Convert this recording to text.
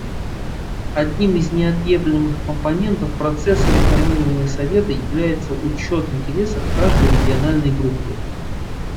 Одним из неотъемлемых компонентов процесса реформирования Совета является учет интересов каждой региональной группы.